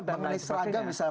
mengenai seragam misalnya